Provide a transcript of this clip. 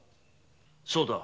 ・そうだ。